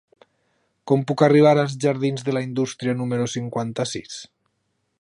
Com puc arribar als jardins de la Indústria número cinquanta-sis?